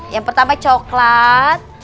yang pertama coklat